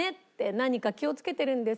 何か気をつけてるんですか？